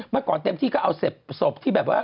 เมื่อก่อนเต็มที่ก็เอาศพที่แบบว่า